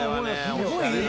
すごいいい。